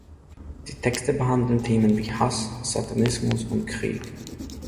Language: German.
Die Texte behandeln Themen wie Hass, Satanismus und Krieg.